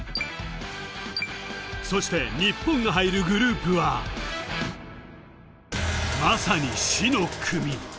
そして日本が入るグループは、まさに死の組。